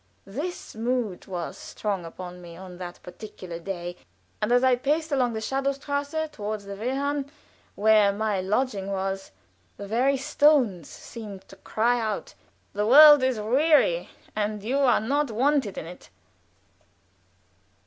This mood was strong upon me on that particular day, and as I paced along the Schadowstrasse toward the Wehrhahn, where my lodging was, the very stones seemed to cry out, "The world is weary, and you are not wanted in it."